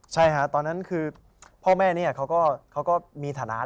ใช่ค่ะตอนนั้นคือพ่อแม่เนี่ยเขาก็มีฐานะ